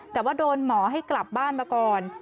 แต่ว่าโดนหมอให้กลับบ้านมาก่อน